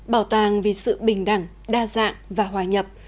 bảo tàng vì sự bình đẳng đa dạng và hòa nhập